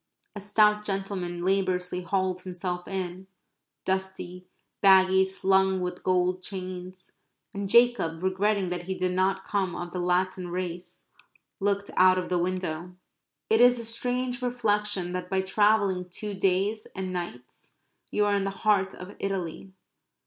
A stout gentleman laboriously hauled himself in, dusty, baggy, slung with gold chains, and Jacob, regretting that he did not come of the Latin race, looked out of the window. It is a strange reflection that by travelling two days and nights you are in the heart of Italy.